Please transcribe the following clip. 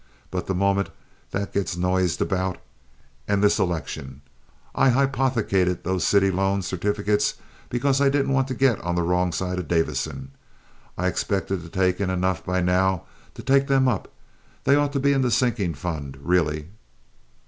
But the moment that gets noised around!... And this election! I hypothecated those city loan certificates because I didn't want to get on the wrong side of Davison. I expected to take in enough by now to take them up. They ought to be in the sinking fund, really."